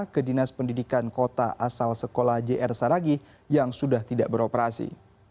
ke dinas pendidikan kota asal sekolah jr saragi yang sudah tidak beroperasi